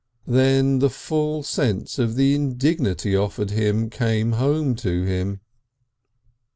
Then the full sense of the indignity offered him came home to him.